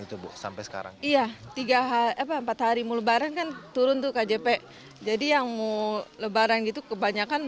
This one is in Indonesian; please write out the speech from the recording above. itu bu sampai sekarang iya tiga hal apa empat hari melebaran kan turun tuh kjp jadi yang mohon lebaran